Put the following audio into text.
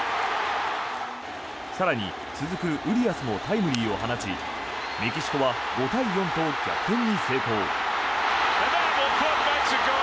更に、続くウリアスもタイムリーを放ちメキシコは５対４と逆転に成功。